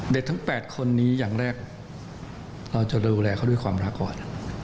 ทั้ง๘คนนี้อย่างแรกเราจะดูแลเขาด้วยความรักก่อน